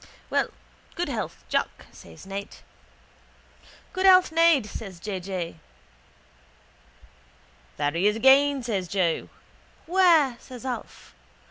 —Well, good health, Jack, says Ned. —Good health, Ned, says J. J. — There he is again, says Joe. —Where? says Alf.